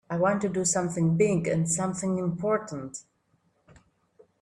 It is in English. I want to do something big and something important.